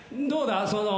どうだ？